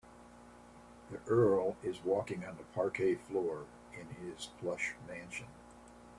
The earl is walking on the parquet floor in his plush mansion.